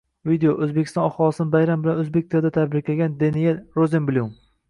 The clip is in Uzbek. Video: O‘zbekiston aholisini bayram bilan o‘zbek tilida tabriklagan Deniel Rozenblyum